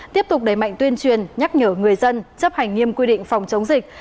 tiếp tục đẩy mạnh tuyên truyền nhắc nhở người dân chấp hành nghiêm quy định phòng chống dịch